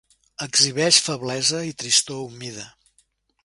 Exhibeix feblesa i tristor humida.